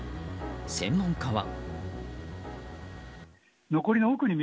専門家は。